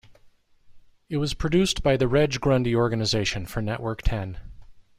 It was produced by the Reg Grundy Organisation for Network Ten.